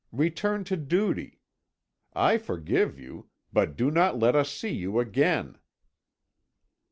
Return to duty. I forgive you, but do not let us see you again."